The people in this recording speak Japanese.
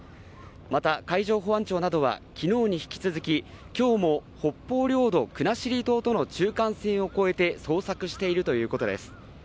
また、海上保安庁などは昨日に引き続き今日も北方領土国後島との中間線を越えて捜索しているということです。